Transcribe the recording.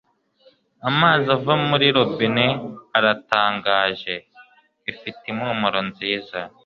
amazi ava muri robine aratangaje. ifite impumuro nziza